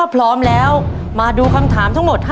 พร้อมแล้วมาดูคำถามทั้งหมด